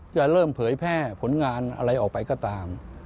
จะเริ่มเผยแพร่ผลงานอะไรออกไปก็ตาม